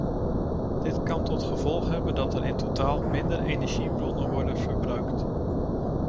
Dit kan tot gevolg hebben dat er in totaal minder energiebronnen worden verbruikt.